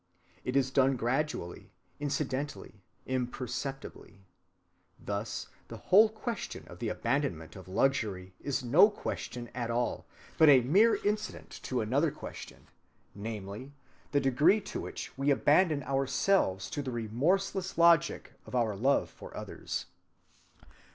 It is done gradually, incidentally, imperceptibly. Thus the whole question of the abandonment of luxury is no question at all, but a mere incident to another question, namely, the degree to which we abandon ourselves to the remorseless logic of our love for others."